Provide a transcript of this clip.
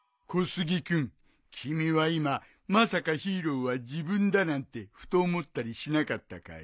君は今まさかヒーローは自分だなんてふと思ったりしなかったかい？